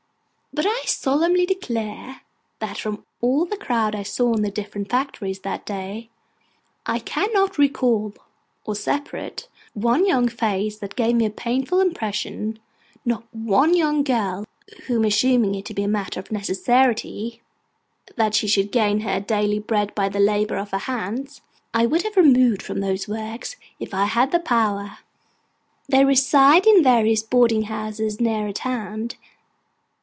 But I solemnly declare, that from all the crowd I saw in the different factories that day, I cannot recall or separate one young face that gave me a painful impression; not one young girl whom, assuming it to be a matter of necessity that she should gain her daily bread by the labour of her hands, I would have removed from those works if I had had the power. They reside in various boarding houses near at hand.